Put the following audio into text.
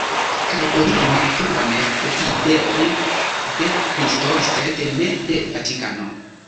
Kaj oni rimarku bone: la ideojn de Kristo sed ne de Vatikano.